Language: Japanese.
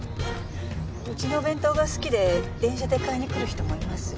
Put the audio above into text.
うちのお弁当が好きで電車で買いに来る人もいます。